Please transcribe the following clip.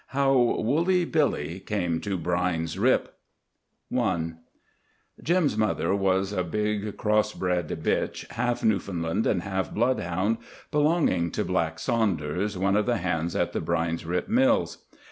HOW WOOLLY BILLY CAME TO BRINE'S RIP I Jim's mother was a big cross bred bitch, half Newfoundland and half bloodhound, belonging to Black Saunders, one of the hands at the Brine's Rip Mills.